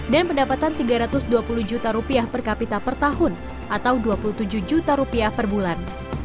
dan pendapatan tiga ratus dua puluh juta rupiah per kapita per tahun atau dua puluh tujuh juta rupiah per bulan